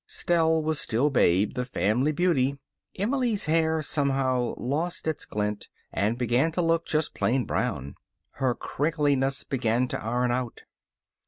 Stell was still Babe, the family beauty. Emily's hair, somehow, lost its glint and began to look just plain brown. Her crinkliness began to iron out.